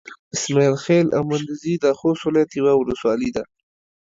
اسماعيل خېل او مندوزي د خوست ولايت يوه ولسوالي ده.